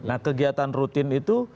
nah kegiatan rutin itu